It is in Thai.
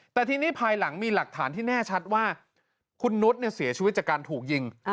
แต่ทีนี้ภายหลังมีหลักฐานที่แน่ชัดว่าคุณนุษย์เสียชีวิตจากการถูกยิง